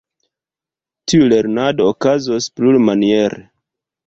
Tiu lernado okazos plurmaniere.